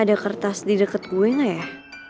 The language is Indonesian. ada kertas di dekat gue gak ya